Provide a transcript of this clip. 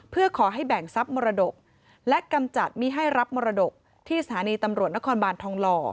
เพื่อขอให้แบ่งทรัพย์มรดกและกำจัดมิให้รับมรดกที่สถานีตำรวจนครบานทองหล่อ